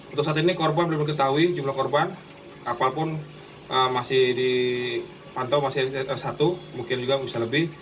untuk saat ini korban belum diketahui jumlah korban kapal pun masih dipantau masih satu mungkin juga bisa lebih